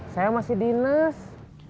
saya masih di nurse